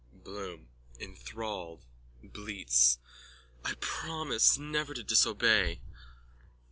BLOOM: (Enthralled, bleats.) I promise never to disobey.